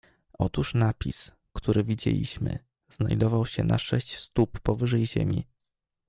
"Otóż napis, który widzieliśmy, znajdował się na sześć stóp powyżej ziemi."